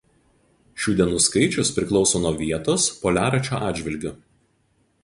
Šių dienų skaičius priklauso nuo vietos poliaračio atžvilgiu.